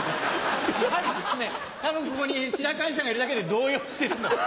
多分ここに志らく兄さんがいるだけで動揺してるの。